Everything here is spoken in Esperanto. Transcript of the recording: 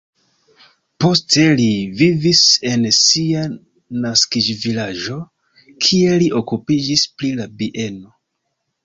Poste li vivis en sia naskiĝvilaĝo, kie li okupiĝis pri la bieno.